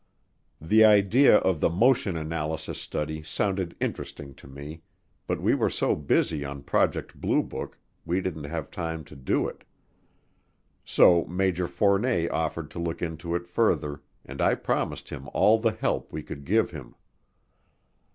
The idea of the motion analysis study sounded interesting to me, but we were so busy on Project Blue Book we didn't have time to do it. So Major Fournet offered to look into it further and I promised him all the help we could give him.